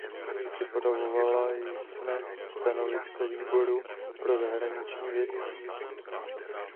Připravovala jsme stanovisko Výboru pro zahraniční věci.